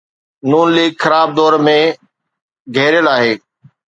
نون ليگ خراب دور ۾ گهيريل آهي.